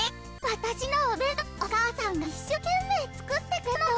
私のおべんとうお母さんが一生懸命作ってくれたのよ。